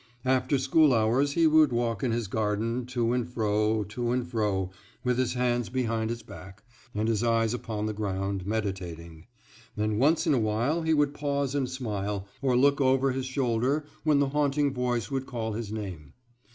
After school hours he would walk in his garden, to and fro, to and fro, with his hands behind his back, and his eyes upon the ground, meditating; and once in a while he would pause and smile, or look over his shoulder when the haunting voice would call his name.